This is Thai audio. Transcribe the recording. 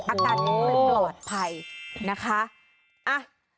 อาการปลอดภัยนะคะ